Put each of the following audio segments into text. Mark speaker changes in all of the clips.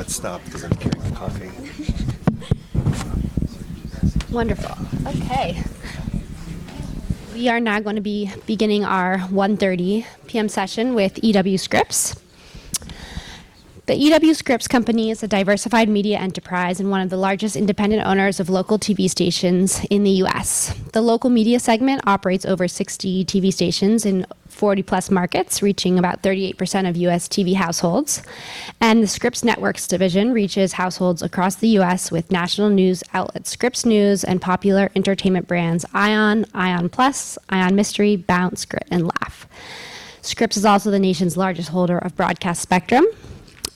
Speaker 1: I got stopped because I'm carrying a coffee.
Speaker 2: Wonderful. Okay. We are now going to be beginning our 1:30 P.M. session with E.W. Scripps. The E.W. Scripps Company is a diversified media enterprise and one of the largest independent owners of local TV stations in the U.S. The local media segment operates over 60 TV stations in 40-plus markets, reaching about 38% of U.S. TV households, and the Scripps Networks division reaches households across the U.S. with national news outlet Scripps News, and popular entertainment brands ION Plus, ION Mystery, Bounce, Grit, and Laff. Scripps is also the nation's largest holder of broadcast spectrum,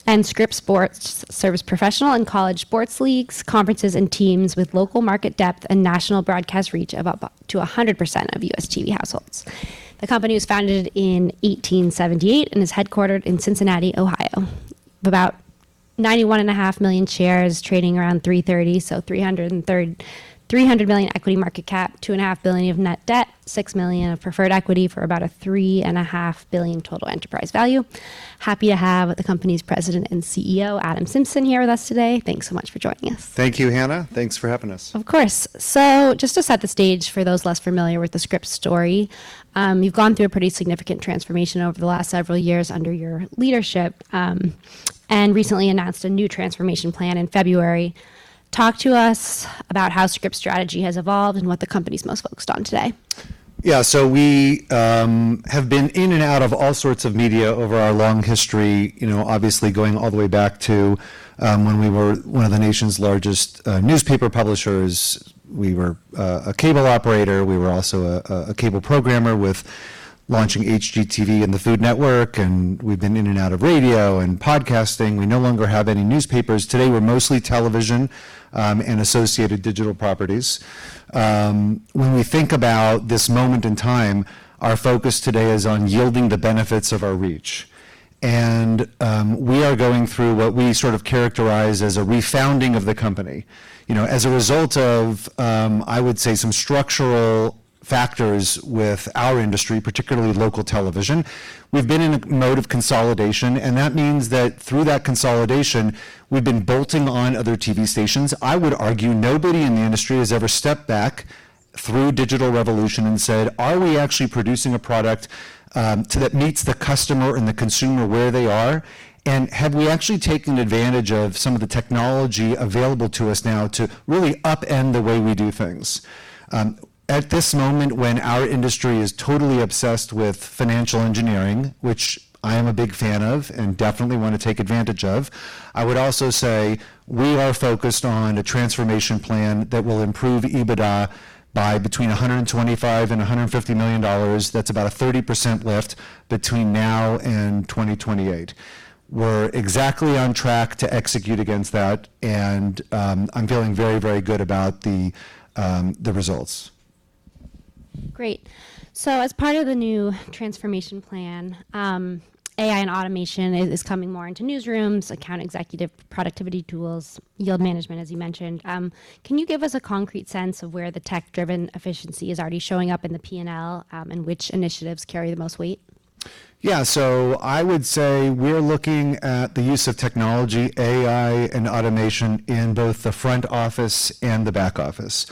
Speaker 2: and Scripps Sports serves professional and college sports leagues, conferences, and teams with local market depth and national broadcast reach of up to 100% of U.S. TV households. The company was founded in 1878 and is headquartered in Cincinnati, Ohio. About 91.5 million shares trading around $330, so $300 million equity market cap, $2.5 billion of net debt, $6 million of preferred equity for about a $3.5 billion total enterprise value. Happy to have the company's President and CEO, Adam Symson, here with us today. Thanks so much for joining us.
Speaker 1: Thank you, Hannah. Thanks for having us.
Speaker 2: Of course. Just to set the stage for those less familiar with the Scripps story, you've gone through a pretty significant transformation over the last several years under your leadership, and recently announced a new transformation plan in February. Talk to us about how Scripps strategy has evolved and what the company's most focused on today.
Speaker 1: We have been in and out of all sorts of media over our long history, obviously going all the way back to when we were one of the nation's largest newspaper publishers. We were a cable operator. We were also a cable programmer with launching HGTV and the Food Network, and we've been in and out of radio and podcasting. We no longer have any newspapers. Today, we're mostly television and associated digital properties. When we think about this moment in time, our focus today is on yielding the benefits of our reach. We are going through what we sort of characterize as a refounding of the company. As a result of, I would say, some structural factors with our industry, particularly local television, we've been in a mode of consolidation. That means that through that consolidation, we've been bolting on other TV stations. I would argue nobody in the industry has ever stepped back through digital revolution and said, "Are we actually producing a product that meets the customer and the consumer where they are? Have we actually taken advantage of some of the technology available to us now to really upend the way we do things?" At this moment when our industry is totally obsessed with financial engineering, which I am a big fan of and definitely want to take advantage of, I would also say we are focused on a transformation plan that will improve EBITDA by between $125 million and $150 million. That's about a 30% lift between now and 2028. We're exactly on track to execute against that, I'm feeling very good about the results.
Speaker 2: Great. As part of the new transformation plan, AI and automation is coming more into newsrooms, account executive productivity tools, yield management, as you mentioned. Can you give us a concrete sense of where the tech-driven efficiency is already showing up in the P&L, and which initiatives carry the most weight?
Speaker 1: I would say we're looking at the use of technology, AI, and automation in both the front office and the back office.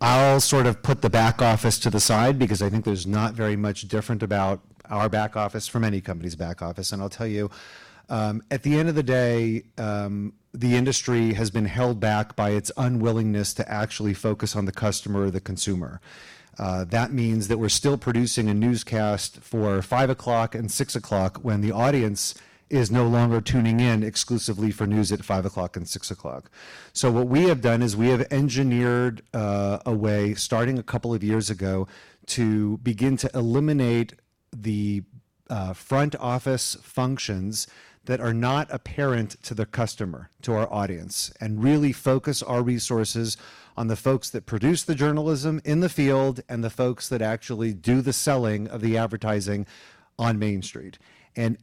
Speaker 1: I'll sort of put the back office to the side because I think there's not very much different about our back office from any company's back office. I'll tell you, at the end of the day, the industry has been held back by its unwillingness to actually focus on the customer or the consumer. That means that we're still producing a newscast for 5:00 and 6:00 when the audience is no longer tuning in exclusively for news at 5:00 and 6:00. What we have done is we have engineered a way, starting a couple of years ago, to begin to eliminate the front office functions that are not apparent to the customer, to our audience, and really focus our resources on the folks that produce the journalism in the field, and the folks that actually do the selling of the advertising on Main Street.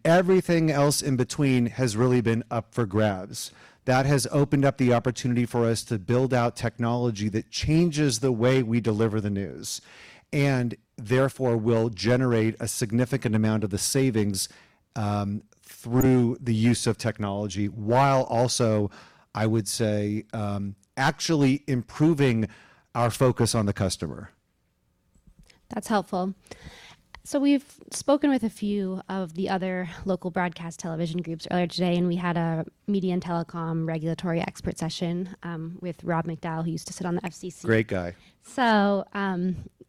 Speaker 1: Everything else in between has really been up for grabs. That has opened up the opportunity for us to build out technology that changes the way we deliver the news, and therefore will generate a significant amount of the savings through the use of technology, while also, I would say, actually improving our focus on the customer.
Speaker 2: That's helpful. We've spoken with a few of the other local broadcast television groups earlier today, and we had a media and telecom regulatory expert session, with Robert McDowell, who used to sit on the FCC.
Speaker 1: Great guy.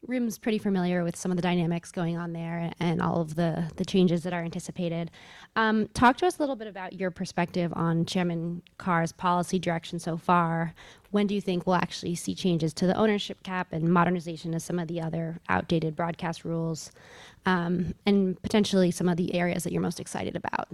Speaker 2: The room's pretty familiar with some of the dynamics going on there and all of the changes that are anticipated. Talk to us a little bit about your perspective on Chairman Carr's policy direction so far. When do you think we'll actually see changes to the ownership cap and modernization of some of the other outdated broadcast rules, and potentially some of the areas that you're most excited about?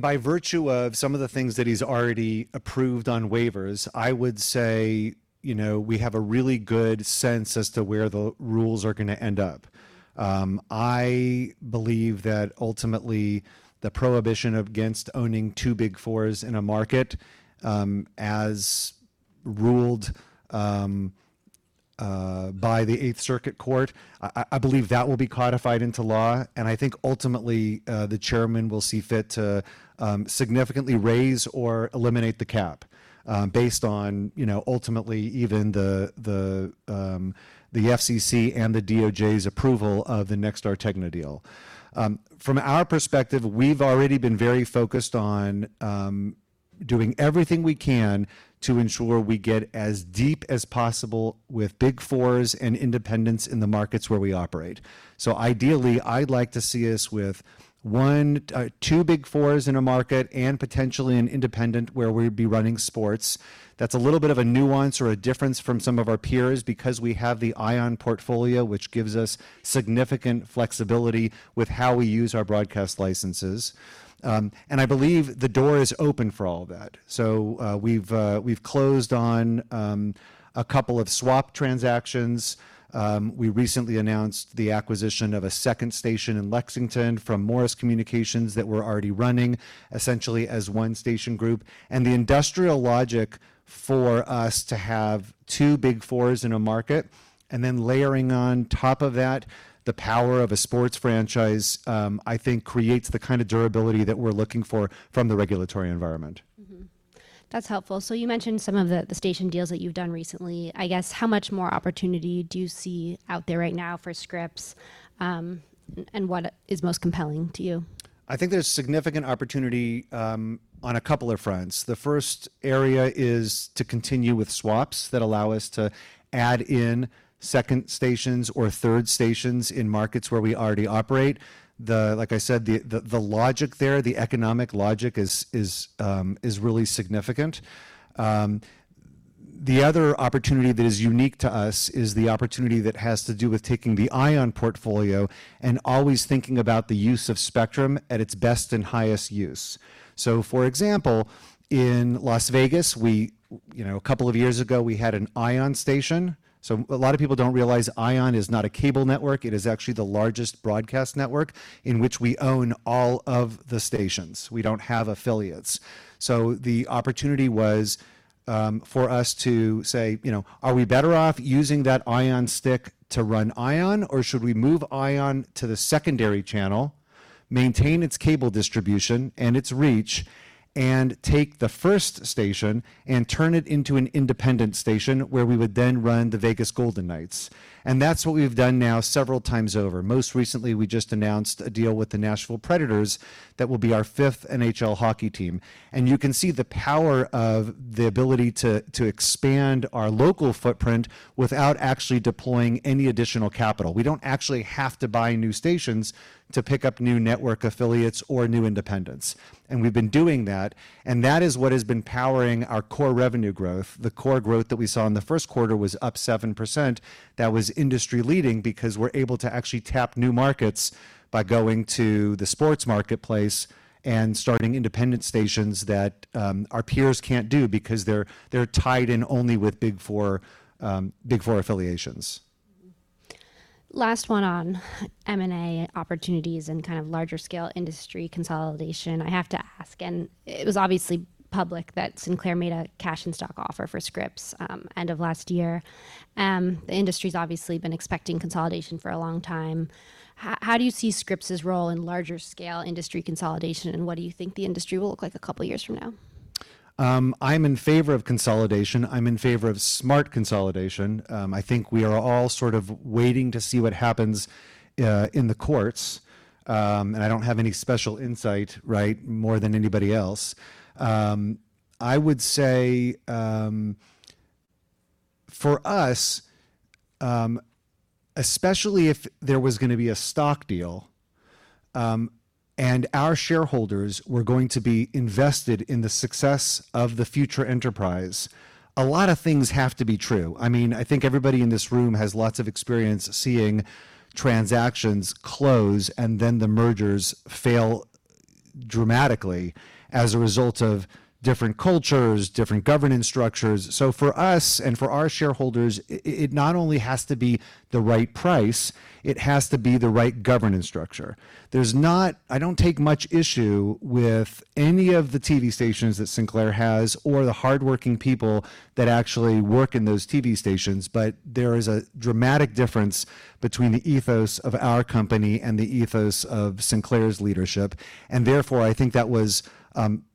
Speaker 1: By virtue of some of the things that he's already approved on waivers, I would say we have a really good sense as to where the rules are going to end up. I believe that ultimately, the prohibition against owning two Big Fours in a market, as ruled by the Eighth Circuit Court. I believe that will be codified into law. I think ultimately, the Chairman will see fit to significantly raise or eliminate the cap based on ultimately even the FCC and the DOJ's approval of the Nexstar-Tegna deal. From our perspective, we've already been very focused on doing everything we can to ensure we get as deep as possible with Big Fours and independents in the markets where we operate. Ideally, I'd like to see us with two Big Fours in a market and potentially an independent where we'd be running sports. That's a little bit of a nuance or a difference from some of our peers because we have the ION portfolio, which gives us significant flexibility with how we use our broadcast licenses. I believe the door is open for all of that. We've closed on a couple of swap transactions. We recently announced the acquisition of a second station in Lexington from Morris Communications that we're already running essentially as one station group. The industrial logic for us to have two Big Fours in a market and then layering on top of that the power of a sports franchise, I think creates the kind of durability that we're looking for from the regulatory environment.
Speaker 2: That's helpful. You mentioned some of the station deals that you've done recently. I guess, how much more opportunity do you see out there right now for Scripps, and what is most compelling to you?
Speaker 1: I think there's significant opportunity on a couple of fronts. The first area is to continue with swaps that allow us to add in second stations or third stations in markets where we already operate. Like I said, the logic there, the economic logic, is really significant. The other opportunity that is unique to us is the opportunity that has to do with taking the ION portfolio and always thinking about the use of spectrum at its best and highest use. For example, in Las Vegas, a couple of years ago, we had an ION station. A lot of people don't realize ION is not a cable network. It is actually the largest broadcast network in which we own all of the stations. We don't have affiliates. The opportunity was for us to say, "Are we better off using that ION stick to run ION, or should we move ION to the secondary channel, maintain its cable distribution and its reach, and take the first station and turn it into an independent station where we would then run the Vegas Golden Knights?" That's what we've done now several times over. Most recently, we just announced a deal with the Nashville Predators that will be our fifth NHL hockey team. You can see the power of the ability to expand our local footprint without actually deploying any additional capital. We don't actually have to buy new stations to pick up new network affiliates or new independents. We've been doing that, and that is what has been powering our core revenue growth. The core growth that we saw in the first quarter was up 7%. That was industry-leading because we're able to actually tap new markets by going to the sports marketplace and starting independent stations that our peers can't do because they're tied in only with Big Four affiliations.
Speaker 2: Last one on M&A opportunities and kind of larger scale industry consolidation. I have to ask. It was obviously public that Sinclair made a cash and stock offer for Scripps end of last year. The industry's obviously been expecting consolidation for a long time. How do you see Scripps' role in larger scale industry consolidation, what do you think the industry will look like a couple of years from now?
Speaker 1: I'm in favor of consolidation. I'm in favor of smart consolidation. I think we are all sort of waiting to see what happens in the courts, and I don't have any special insight, right, more than anybody else. I would say for us, especially if there was going to be a stock deal, and our shareholders were going to be invested in the success of the future enterprise, a lot of things have to be true. I think everybody in this room has lots of experience seeing transactions close and then the mergers fail dramatically as a result of different cultures, different governance structures. For us and for our shareholders, it not only has to be the right price, it has to be the right governance structure. I don't take much issue with any of the TV stations that Sinclair has or the hardworking people that actually work in those TV stations, there is a dramatic difference between the ethos of our company and the ethos of Sinclair's leadership. Therefore, I think that was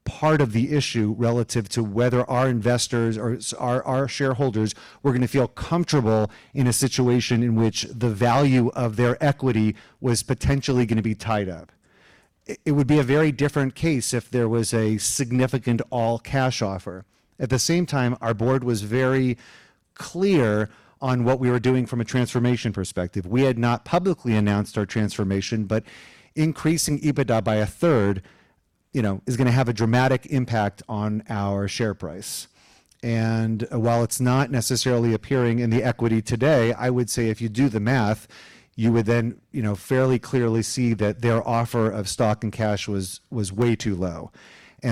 Speaker 1: part of the issue relative to whether our investors or our shareholders were going to feel comfortable in a situation in which the value of their equity was potentially going to be tied up. It would be a very different case if there was a significant all-cash offer. At the same time, our board was very clear on what we were doing from a transformation perspective. We had not publicly announced our transformation, increasing EBITDA by a third is going to have a dramatic impact on our share price. While it's not necessarily appearing in the equity today, I would say if you do the math, you would then fairly clearly see that their offer of stock and cash was way too low.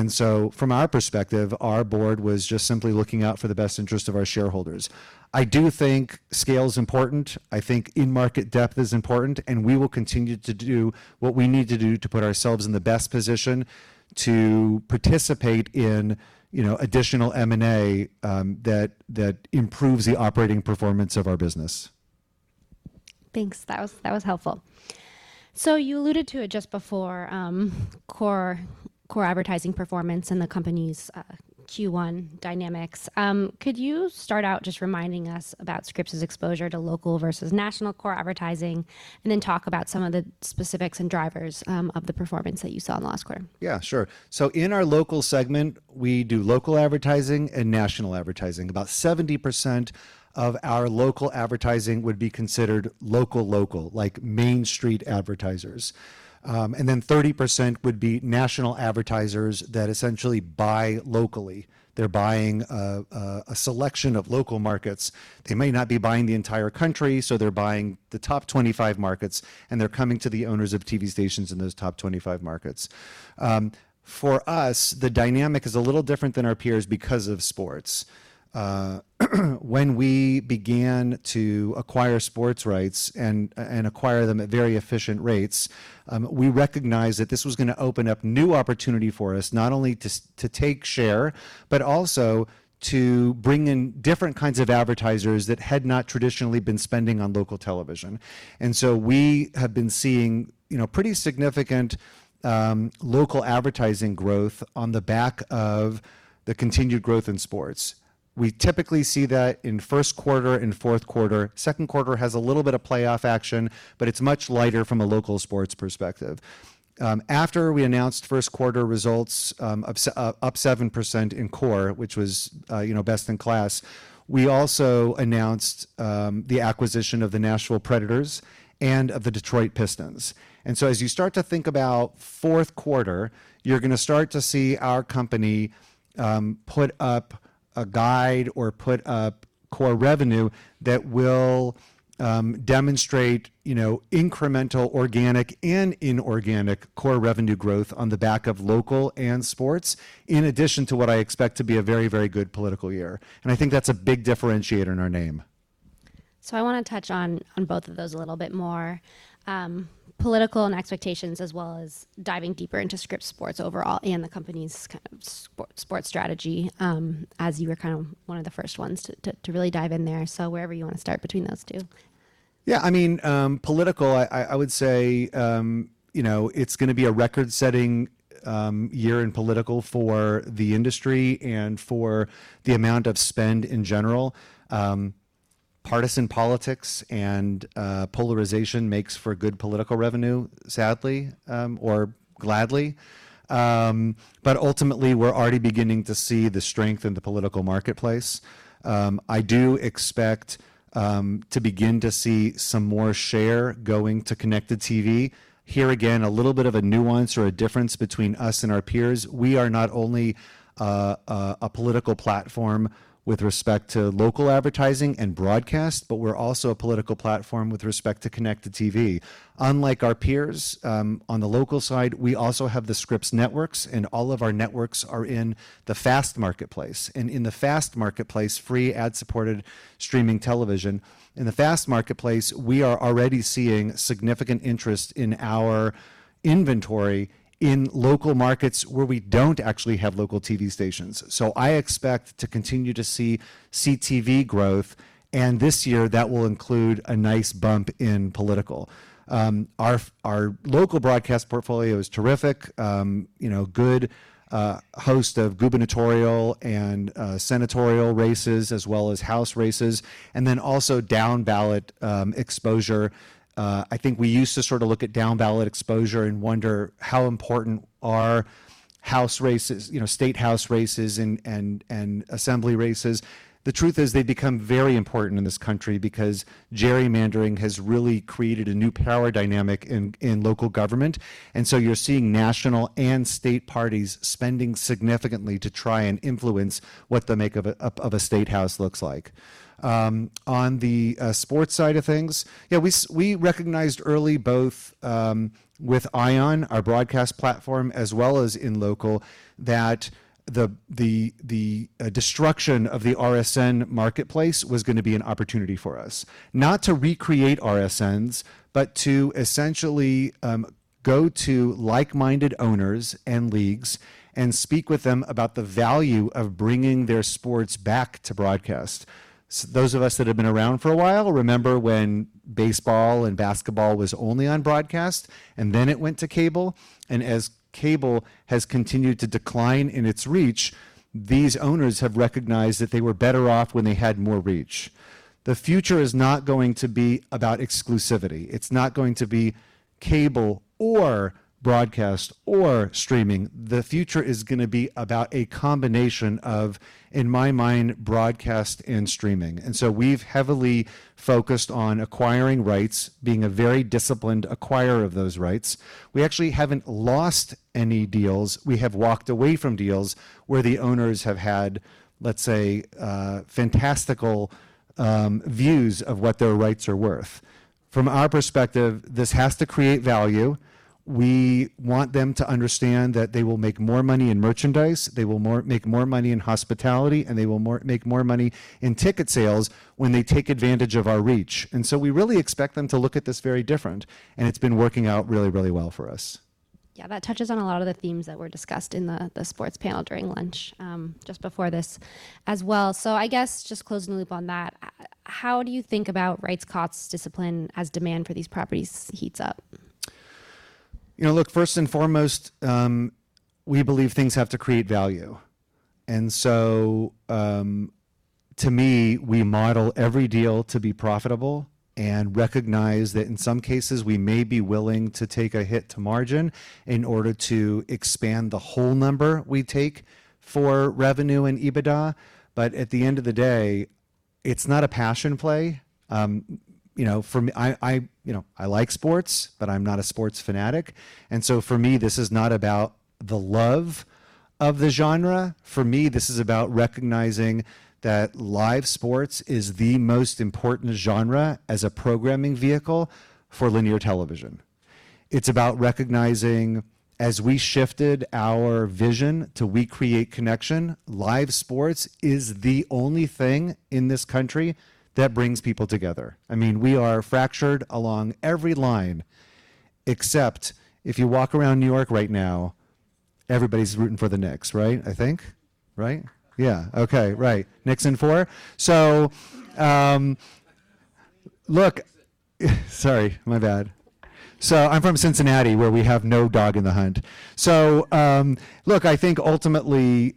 Speaker 1: From our perspective, our board was just simply looking out for the best interest of our shareholders. I do think scale's important. I think in-market depth is important, and we will continue to do what we need to do to put ourselves in the best position to participate in additional M&A that improves the operating performance of our business.
Speaker 2: Thanks. That was helpful. You alluded to it just before, core advertising performance and the company's Q1 dynamics. Could you start out just reminding us about Scripps's exposure to local versus national core advertising, and then talk about some of the specifics and drivers of the performance that you saw in the last quarter?
Speaker 1: Yeah, sure. In our local segment, we do local advertising and national advertising. About 70% of our local advertising would be considered local, like Main Street advertisers. 30% would be national advertisers that essentially buy locally. They're buying a selection of local markets. They may not be buying the entire country, so they're buying the top 25 markets, and they're coming to the owners of TV stations in those top 25 markets. For us, the dynamic is a little different than our peers because of sports. When we began to acquire sports rights and acquire them at very efficient rates, we recognized that this was going to open up new opportunity for us, not only to take share, but also to bring in different kinds of advertisers that had not traditionally been spending on local television. We have been seeing pretty significant local advertising growth on the back of the continued growth in sports. We typically see that in first quarter and fourth quarter. Second quarter has a little bit of playoff action, but it's much lighter from a local sports perspective. After we announced first quarter results up 7% in core, which was best in class, we also announced the acquisition of the Nashville Predators and of the Detroit Pistons. As you start to think about fourth quarter, you're going to start to see our company put up a guide or put up core revenue that will demonstrate incremental, organic, and inorganic core revenue growth on the back of local and sports, in addition to what I expect to be a very, very good political year. I think that's a big differentiator in our name.
Speaker 2: I want to touch on both of those a little bit more. Political and expectations, as well as diving deeper into Scripps Sports overall and the company's sports strategy, as you were one of the first ones to really dive in there. Wherever you want to start between those two.
Speaker 1: Yeah, political, I would say it's going to be a record-setting year in political for the industry and for the amount of spend in general. Partisan politics and polarization makes for good political revenue, sadly or gladly. Ultimately, we're already beginning to see the strength in the political marketplace. I do expect to begin to see some more share going to connected TV. Here, again, a little bit of a nuance or a difference between us and our peers. We are not only a political platform with respect to local advertising and broadcast, but we're also a political platform with respect to connected TV. Unlike our peers on the local side, we also have the Scripps Networks, and all of our networks are in the FAST marketplace. In the FAST marketplace, free ad-supported streaming television. In the FAST marketplace, we are already seeing significant interest in our inventory in local markets where we don't actually have local TV stations. I expect to continue to see CTV growth, and this year that will include a nice bump in political. Our local broadcast portfolio is terrific. Good host of gubernatorial and senatorial races, as well as House races, and then also down-ballot exposure. I think we used to sort of look at down-ballot exposure and wonder how important are State House races and assembly races. The truth is they've become very important in this country because gerrymandering has really created a new power dynamic in local government. You're seeing national and state parties spending significantly to try and influence what the make of a State House looks like. On the sports side of things, we recognized early both with ION, our broadcast platform, as well as in local, that the destruction of the RSN marketplace was going to be an opportunity for us. Not to recreate RSNs, but to essentially go to like-minded owners and leagues and speak with them about the value of bringing their sports back to broadcast. Those of us that have been around for a while remember when baseball and basketball was only on broadcast, then it went to cable. As cable has continued to decline in its reach, these owners have recognized that they were better off when they had more reach. The future is not going to be about exclusivity. It's not going to be cable or broadcast or streaming. The future is going to be about a combination of, in my mind, broadcast and streaming. We've heavily focused on acquiring rights, being a very disciplined acquirer of those rights. We actually haven't lost any deals. We have walked away from deals where the owners have had, let's say, fantastical views of what their rights are worth. From our perspective, this has to create value. We want them to understand that they will make more money in merchandise, they will make more money in hospitality, and they will make more money in ticket sales when they take advantage of our reach. We really expect them to look at this very different, and it's been working out really, really well for us.
Speaker 2: Yeah. That touches on a lot of the themes that were discussed in the sports panel during lunch just before this as well. I guess just closing the loop on that, how do you think about rights costs discipline as demand for these properties heats up?
Speaker 1: Look, first and foremost, we believe things have to create value. To me, we model every deal to be profitable and recognize that in some cases we may be willing to take a hit to margin in order to expand the whole number we take for revenue and EBITDA. At the end of the day, it's not a passion play. I like sports, but I'm not a sports fanatic. For me, this is not about the love of the genre. For me, this is about recognizing that live sports is the most important genre as a programming vehicle for linear television. It's about recognizing as we shifted our vision to we create connection, live sports is the only thing in this country that brings people together. We are fractured along every line except if you walk around New York right now, everybody's rooting for the Knicks, right? I think. Right? Yeah. Okay. Right. Knicks in four. Sorry. My bad. I'm from Cincinnati, where we have no dog in the hunt. Look, I think ultimately,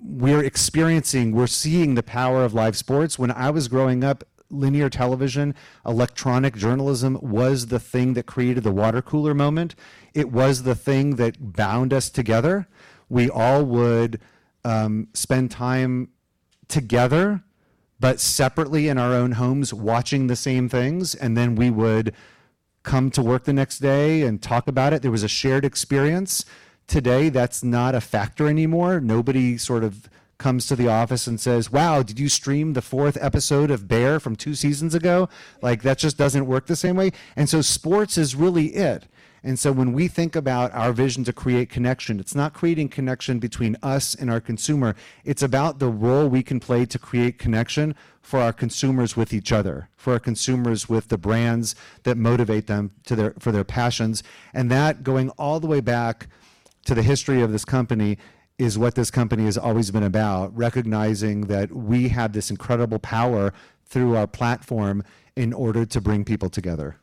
Speaker 1: we're experiencing, we're seeing the power of live sports. When I was growing up, linear television, electronic journalism was the thing that created the water cooler moment. It was the thing that bound us together. We all would spend time together, but separately in our own homes, watching the same things. Then we would come to work the next day and talk about it. There was a shared experience. Today, that's not a factor anymore. Nobody sort of comes to the office and says, "Wow, did you stream the fourth episode of 'The Bear' from two seasons ago?" Like, that just doesn't work the same way. Sports is really it. When we think about our vision to create connection, it's not creating connection between us and our consumer. It's about the role we can play to create connection for our consumers with each other, for our consumers with the brands that motivate them for their passions. That, going all the way back to the history of this company, is what this company has always been about, recognizing that we have this incredible power through our platform in order to bring people together.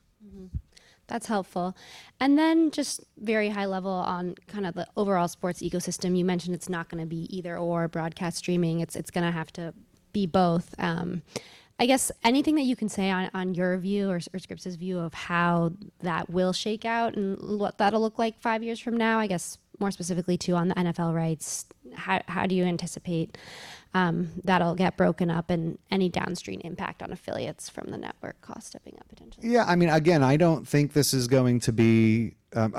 Speaker 2: Mm-hmm. That's helpful. Then just very high level on kind of the overall sports ecosystem. You mentioned it's not going to be either/or broadcast streaming. It's going to have to be both. Anything that you can say on your view or Scripps's view of how that will shake out and what that'll look like five years from now. More specifically, too, on the NFL rights, how do you anticipate that'll get broken up and any downstream impact on affiliates from the network cost stepping up potentially?
Speaker 1: Yeah.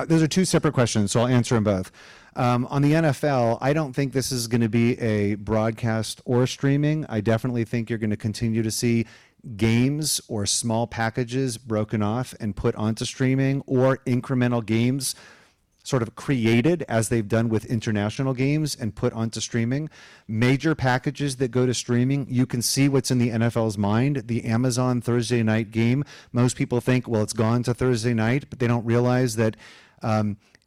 Speaker 1: Those are two separate questions, so I'll answer them both. On the NFL, I don't think this is going to be a broadcast or streaming. I definitely think you're going to continue to see games or small packages broken off and put onto streaming, or incremental games sort of created as they've done with international games and put onto streaming. Major packages that go to streaming, you can see what's in the NFL's mind, the Amazon Thursday night game. Most people think, "Well, it's gone to Thursday night," but they don't realize that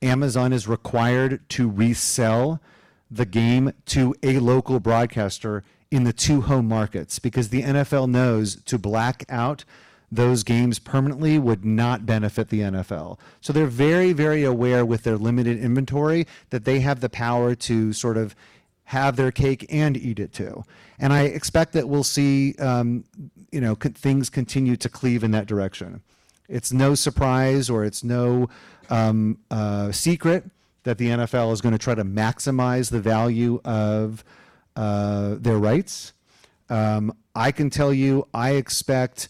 Speaker 1: Amazon is required to resell the game to a local broadcaster in the two home markets because the NFL knows to black out those games permanently would not benefit the NFL. They're very aware of their limited inventory that they have the power to sort of have their cake and eat it too. I expect that we'll see things continue to cleave in that direction. It's no surprise or it's no secret that the NFL is going to try to maximize the value of their rights. I can tell you, I expect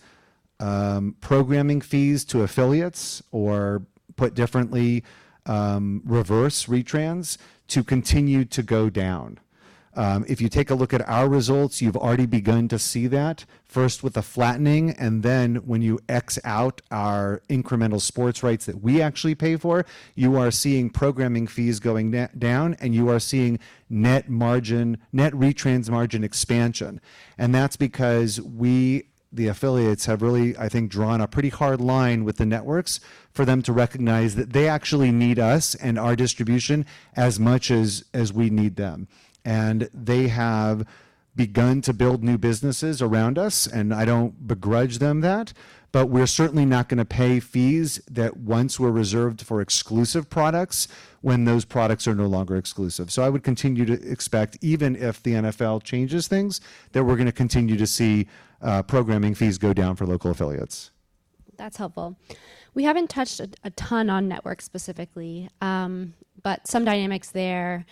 Speaker 1: programming fees to affiliates, or put differently, reverse retrans, to continue to go down. If you take a look at our results, you've already begun to see that first with the flattening, and then when you X out our incremental sports rights that we actually pay for, you are seeing programming fees going down, and you are seeing net retrans margin expansion. That's because we, the affiliates, have really, I think, drawn a pretty hard line with the networks for them to recognize that they actually need us and our distribution as much as we need them. They have begun to build new businesses around us, and I don't begrudge them that, but we're certainly not going to pay fees that once were reserved for exclusive products when those products are no longer exclusive. I would continue to expect, even if the NFL changes things, that we're going to continue to see programming fees go down for local affiliates.
Speaker 2: That's helpful. We haven't touched a ton on networks specifically. Some dynamics there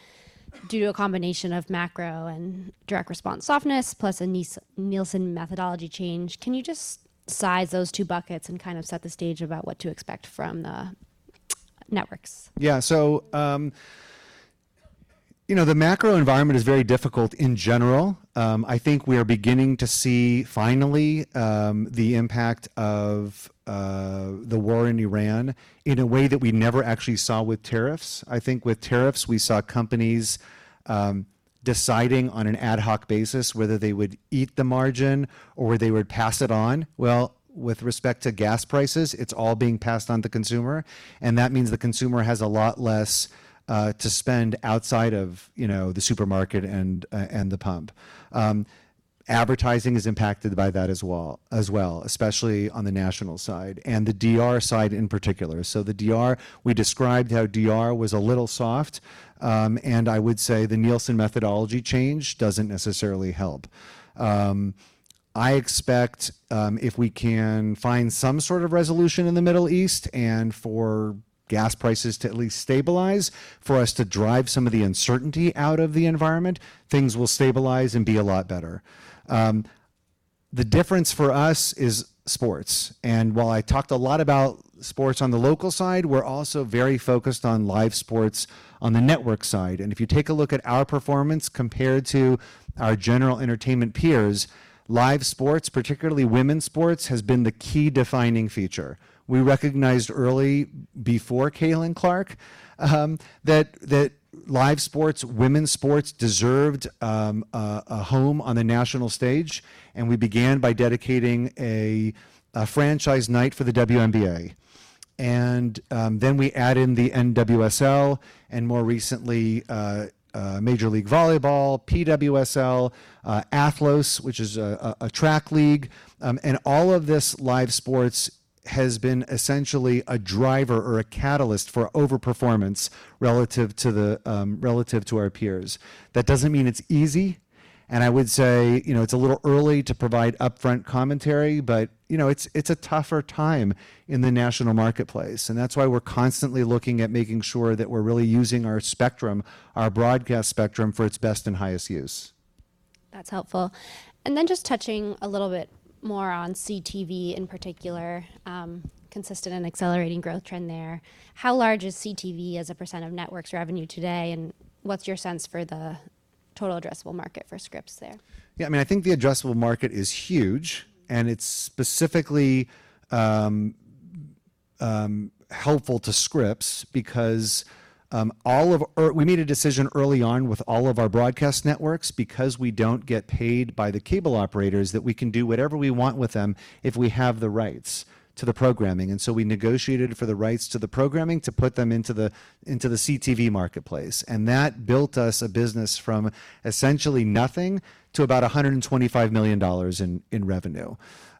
Speaker 2: due to a combination of macro and direct response softness, plus a Nielsen methodology change. Can you just size those two buckets and kind of set the stage about what to expect from the networks?
Speaker 1: The macro environment is very difficult in general. I think we are beginning to see finally, the impact of the war in Iran in a way that we never actually saw with tariffs. I think with tariffs, we saw companies deciding on an ad hoc basis whether they would eat the margin or they would pass it on. Well, with respect to gas prices, it's all being passed on to consumer, and that means the consumer has a lot less to spend outside of the supermarket and the pump. Advertising is impacted by that as well, especially on the national side, and the DR side in particular. The DR, we described how DR was a little soft, and I would say the Nielsen methodology change doesn't necessarily help. I expect if we can find some sort of resolution in the Middle East and for gas prices to at least stabilize for us to drive some of the uncertainty out of the environment, things will stabilize and be a lot better. The difference for us is sports. While I talked a lot about sports on the local side, we're also very focused on live sports on the network side. If you take a look at our performance compared to our general entertainment peers, live sports, particularly women's sports, has been the key defining feature. We recognized early, before Caitlin Clark, that live women's sports deserved a home on the national stage, and we began by dedicating a franchise night for the WNBA. Then we add in the NWSL, more recently, Major League Volleyball, PWHL, Athlos, which is a track league. All of this live sports has been essentially a driver or a catalyst for over-performance relative to our peers. That doesn't mean it's easy, and I would say, it's a little early to provide upfront commentary, but it's a tougher time in the national marketplace, and that's why we're constantly looking at making sure that we're really using our spectrum, our broadcast spectrum, for its best and highest use.
Speaker 2: That's helpful. Just touching a little bit more on CTV in particular, consistent and accelerating growth trend there. How large is CTV as a % of networks revenue today, and what's your sense for the total addressable market for Scripps there?
Speaker 1: Yeah, I think the addressable market is huge, and it's specifically helpful to Scripps because we made a decision early on with all of our broadcast networks because we don't get paid by the cable operators that we can do whatever we want with them if we have the rights to the programming. We negotiated for the rights to the programming to put them into the CTV marketplace. That built us a business from essentially nothing to about $125 million in revenue.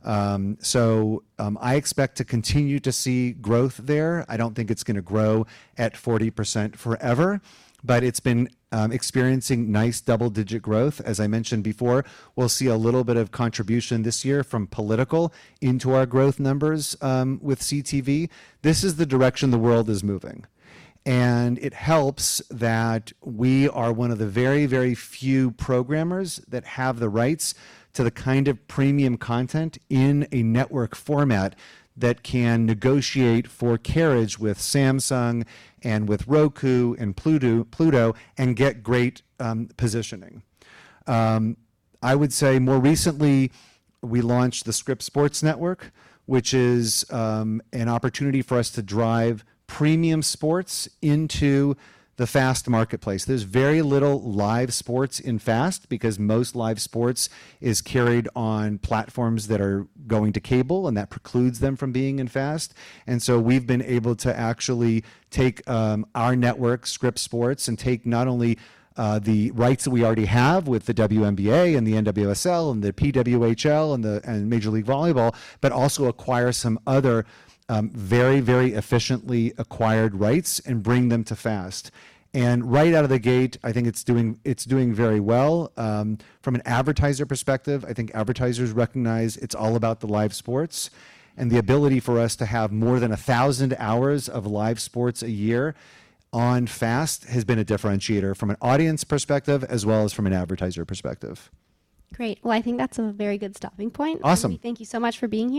Speaker 1: I expect to continue to see growth there. I don't think it's going to grow at 40% forever, but it's been experiencing nice double-digit growth. As I mentioned before, we'll see a little bit of contribution this year from political into our growth numbers with CTV. This is the direction the world is moving. It helps that we are one of the very, very few programmers that have the rights to the kind of premium content in a network format that can negotiate for carriage with Samsung and with Roku and Pluto, and get great positioning. I would say more recently we launched the Scripps Sports Network, which is an opportunity for us to drive premium sports into the FAST marketplace. There's very little live sports in FAST because most live sports is carried on platforms that are going to cable and that precludes them from being in FAST. We've been able to actually take our network, Scripps Sports, and take not only the rights that we already have with the WNBA and the NWSL and the PWHL and Major League Volleyball, but also acquire some other very, very efficiently acquired rights and bring them to FAST. Right out of the gate, I think it's doing very well. From an advertiser perspective, I think advertisers recognize it's all about the live sports and the ability for us to have more than 1,000 hours of live sports a year on FAST has been a differentiator from an audience perspective as well as from an advertiser perspective.
Speaker 2: Great. Well, I think that's a very good stopping point.
Speaker 1: Awesome.
Speaker 2: Thank you so much for being here.